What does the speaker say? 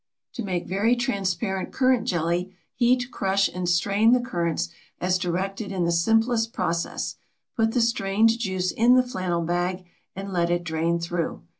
To make very transparent currant jelly, heat, crush, and strain the currants as directed in the simplest process. Put the strained juice in the flannel bag and let it drain through.